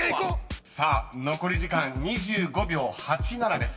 ［さあ残り時間２５秒８７です］